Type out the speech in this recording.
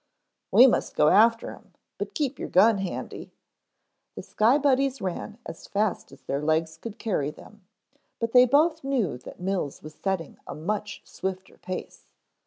"We must go after him, but keep your gun handy." The Sky Buddies ran as fast as their legs could carry them, but they both knew that Mills was setting a much swifter pace.